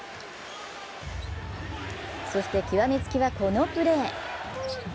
そして極めつきは、このプレー。